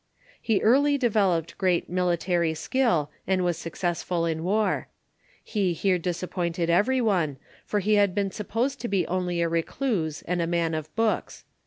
He early developed great military skill, and was successful in war. He bere disappointed every one, for be had been supposed to be only a recluse, and a man of books.